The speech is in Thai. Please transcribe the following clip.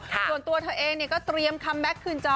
ส่วนตัวเธอเองก็เตรียมคัมแก๊กคืนจอ